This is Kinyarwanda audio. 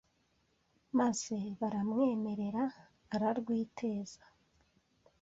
maze baramwemerera ararwiteza